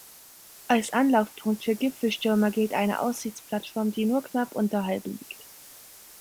Als Anlaufpunkt für Gipfelstürmer gilt eine Aussichtsplattform, die nur knapp unterhalb liegt.